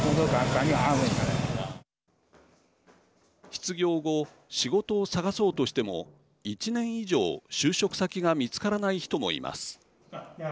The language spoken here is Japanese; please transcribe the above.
失業後、仕事を探そうとしても１年以上、就職先が見つからない人もいます。